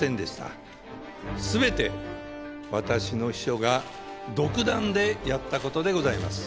全て私の秘書が独断でやった事でございます。